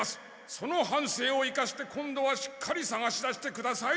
その反省を生かして今度はしっかりさがし出してください。